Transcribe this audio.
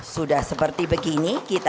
sudah seperti begini kita